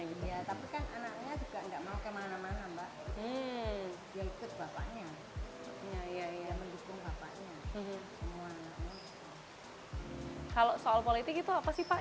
kalau soal politik itu apa sih pak